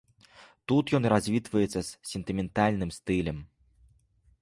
Тут ён развітваецца з сентыментальным стылем.